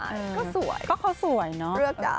ก็สวยเลือกได้ก็เขาสวยนะ